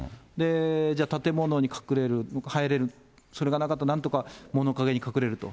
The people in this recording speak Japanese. じゃあ、建物に隠れる、入れる、それがなかったらなんとか物かげに隠れると。